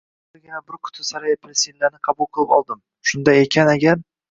Hozirgina bir quti sara apelsinlarni qabul qilib oldim, shunday ekan agar…